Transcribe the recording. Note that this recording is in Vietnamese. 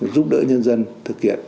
giúp đỡ nhân dân thực hiện đúng việc